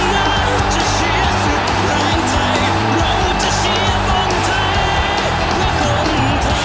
โปรดติดตามตอนต่อไป